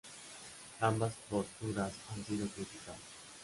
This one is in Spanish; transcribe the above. Ambas posturas han sido criticadas.